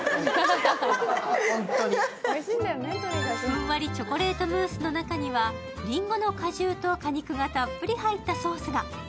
ふんわりチョコレートムースの中にはりんごの果汁と果肉がたっぷり入ったソースが。